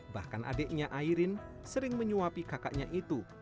bahkan adiknya airin sering menyuapi kakaknya itu